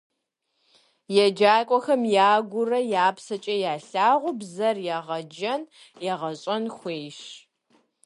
Еджакӏуэхэм ягурэ я псэкӏэ ялъагъу бзэр егъэджын, егъэщӏэн хуейщ.